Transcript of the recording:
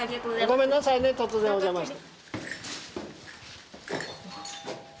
ごめんなさいね突然おじゃまして。